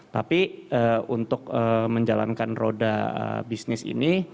tapi untuk menjalankan roda bisnis ini